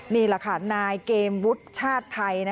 นี่แหละค่ะนายเกมวุฒิชาติไทย